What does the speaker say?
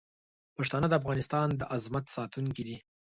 پښتانه د افغانستان د عظمت ساتونکي دي.